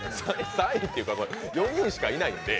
３位というか４人しかいないんで。